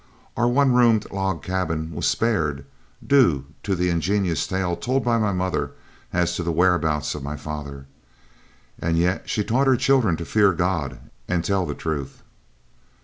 Our one roomed log cabin was spared, due to the ingenious tale told by my mother as to the whereabouts of my father; and yet she taught her children to fear God and tell the truth.